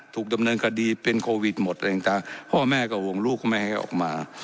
ถูกดำเนินคดีเป็นโควิดหมดพ่อแม่กับวงลูกไม่ให้ออกมา